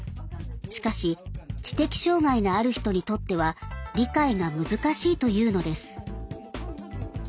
しかし知的障害のある人にとっては理解が難しいというのです。